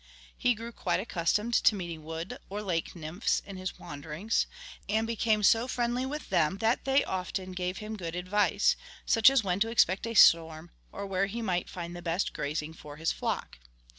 He grew quite accustomed to meeting wood or lake nymphs in his wanderings, and became so friendly with them that they often gave him good advice, such as when to expect a storm, or where he might find the best grazing for his flock.